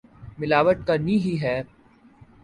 ملاوٹ کرنی ہی ہے۔